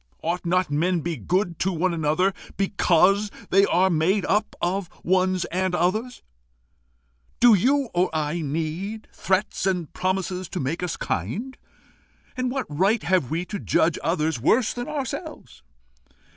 Ought not men be good to one another because they are made up of ones and others? Do you or I need threats and promises to make us kind? And what right have we to judge others worse than ourselves?